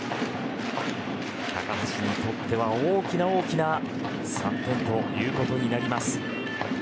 高橋にとっては大きな大きな３点ということになります。